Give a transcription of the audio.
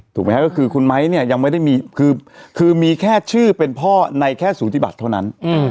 ถูกไหมครับก็คือคุณไม้เนี่ยยังไม่ได้มีคือมีแค่ชื่อเป็นพ่อในแค่สูติบัติเท่านั้น